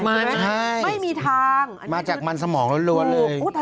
ไม่มีทางมาจากมันสมองละลวดเลย